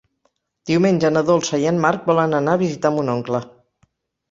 Diumenge na Dolça i en Marc volen anar a visitar mon oncle.